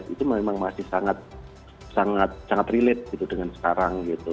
itu memang masih sangat relate gitu dengan sekarang gitu